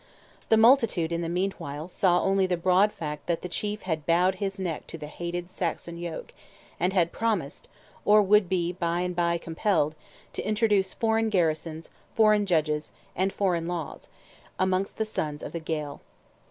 The multitude, in the meanwhile, saw only the broad fact that the Chief had bowed his neck to the hated Saxon yoke, and had promised, or would be by and by compelled, to introduce foreign garrisons, foreign judges, and foreign laws, amongst the sons of the Gael.